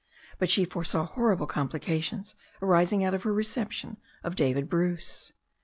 But she foresaw horrible complications arising out of her reception of David Bruce.